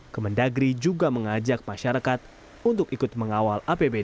kemendagri juga mengajak masyarakat untuk ikut mengawal apbd